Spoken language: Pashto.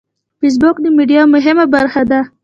فېسبوک د میډیا یوه مهمه برخه ده